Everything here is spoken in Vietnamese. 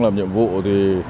làm nhiệm vụ thì